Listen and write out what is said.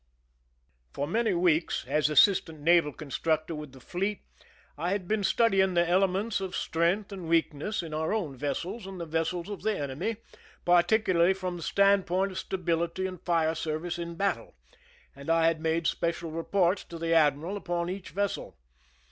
For many 2 THE SCHEME AND THE PEEPAEATIONS weeks, as assistant naval constructor with the fleet, I had been studying the elements of strength and weakness in our own vessels and the vessels of the enemy, particularly from the standpoint of stability and fire service in battle, and I had made special reports to the admix^al upon each vessel.